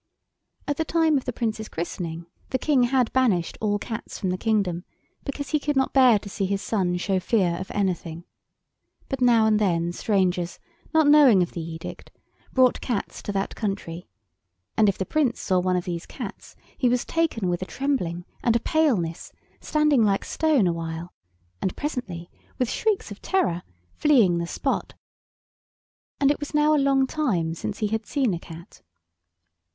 At the time of the Prince's christening the King had banished all cats from the kingdom, because he could not bear to see his son show fear of anything. But now and then strangers, not knowing of the edict, brought cats to that country, and if the Prince saw one of these cats he was taken with a trembling and a paleness, standing like stone awhile, and presently, with shrieks of terror, fleeing the spot. And it was now a long time since he had seen a cat.